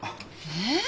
え？